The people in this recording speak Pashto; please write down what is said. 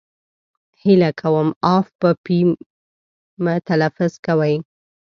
هیله کوم اف په پي مه تلفظ کوی!